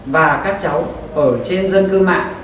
và các cháu ở trên dân cư mạng